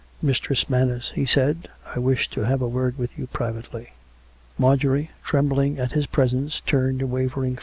" Mistress Manners," he said, " I wish to have a word with you privately." Marjorie, trembling at his presence, turned a wavering 210 COME RACK!